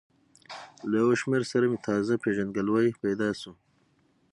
له یو شمېر سره مې تازه پېژندګلوي پیدا شوه.